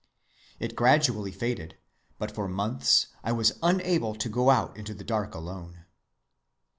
It gradually faded, but for months I was unable to go out into the dark alone.